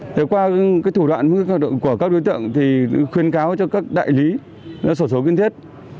thế qua thủ đoạn của các đối tượng thì khuyên cáo cho các đại lý sổ số kiên thiết